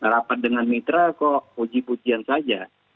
rapat dengan mitra kok puji pujian saja